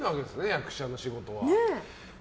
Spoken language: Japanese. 役者の仕事は。